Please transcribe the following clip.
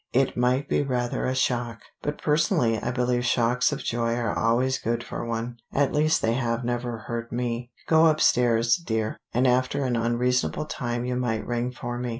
It might be rather a shock, but personally I believe shocks of joy are always good for one. At least they have never hurt me. Go upstairs, dear, and after an unreasonable time you might ring for me."